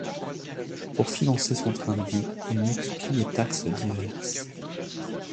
Pour financer son train de vie, il multiplie les taxes diverses.